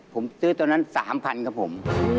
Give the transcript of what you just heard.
ผมซื้อตัวนั้น๓๐๐๐ครับผม